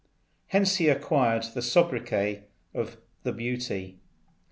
Hence he acquired the sobriquet of the Beauty.